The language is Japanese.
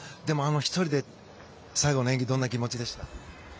１人で最後の演技はどんな気持ちでした？